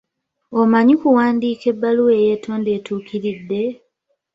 Omanyi kuwandiika ebbaluwa eyeetonda etuukiridde?